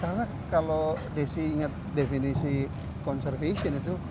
karena kalau desi ingat definisi conservation itu